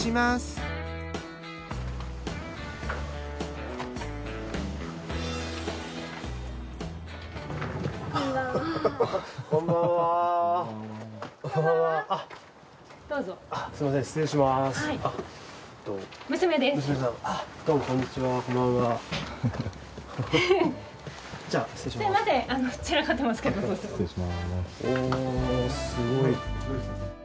すごい。